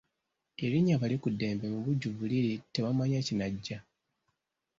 Erinnya Balikuddembe mubujjuvu liri Tebamanya kinajja.